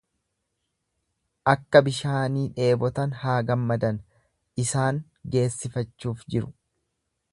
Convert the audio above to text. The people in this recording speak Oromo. akka bishaanii dheebotan haa gammadan, isaan geessifachuuf jiru.